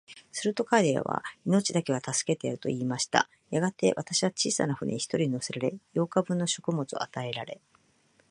すると彼は、命だけは助けてやる、と言いました。やがて、私は小さな舟に一人乗せられ、八日分の食物を与えられ、